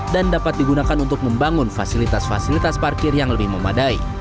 dan dapat digunakan untuk membangun fasilitas fasilitas parkir yang lebih memadai